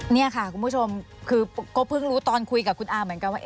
นี่ค่ะคุณผู้ชมคือก็เพิ่งรู้ตอนคุยกับคุณอาเหมือนกันว่า